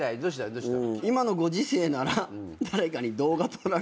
どうした？